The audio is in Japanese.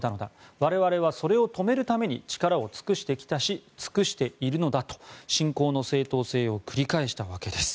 我々はそれを止めるために力を尽くしてきたし尽くしているのだと侵攻の正当性を繰り返したわけです。